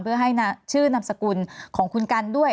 เพื่อให้ชื่อนามสกุลของคุณกันด้วย